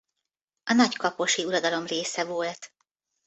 A nagykaposi uradalom része volt.